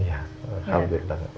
ya hampir banget